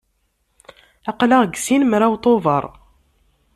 Aql-aɣ deg sin mraw Tubeṛ.